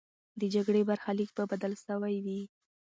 د جګړې برخلیک به بدل سوی وي.